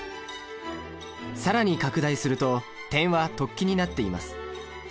更に拡大すると点は突起になっています。